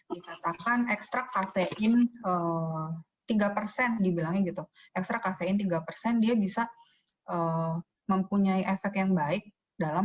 dikatakan ekstrak kafein tiga dibilang gitu ekstrak kafein tiga dia bisa mempunyai efek yang baik dalam